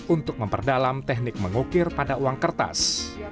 untuk memperdalam teknik mengukir pada uang kertas